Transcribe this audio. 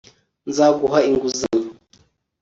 nzaguha inguzanyo